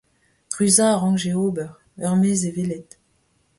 Ruzañ a rankje ober. Ur mezh-e-welet !